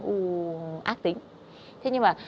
u ác tính